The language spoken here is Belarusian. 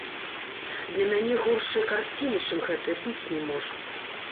Для мяне горшай карціны, чым гэтая, быць не можа.